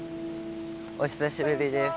お久しぶりです。